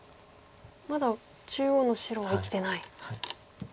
まだ中央の白は生きてない。